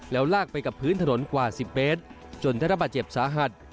แล้วลากไปกับพื้นถนนกว่า๑๐เมตรจนได้รับบาดเจ็บสาหัส